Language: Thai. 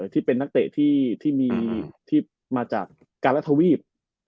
ที่เป็นนักเตะที่มาจากการรัฐทวีป